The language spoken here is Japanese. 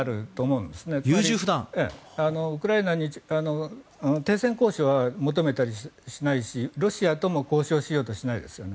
つまり、ウクライナに停戦交渉は求めたりしないしロシアとも交渉しようとしないですよね。